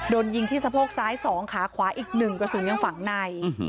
โดนยิงที่สะโพกซ้าย๒ขาขวาอีก๑กระสุนยังฝังใน